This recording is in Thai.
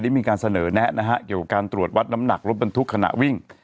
มีการเสนอแนะนะฮะเกี่ยวกับการตรวจวัดน้ำหนักรถบรรทุกขณะวิ่ง